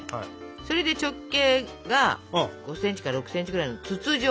それで直径が５ｃｍか６ｃｍぐらいの筒状。